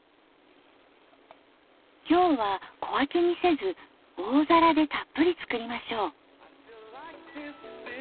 今日は小分けにせず大皿でたっぷり作りましょう。